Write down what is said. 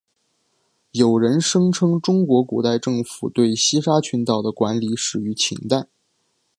有人声称中国古代政府对西沙群岛的管理始于秦代。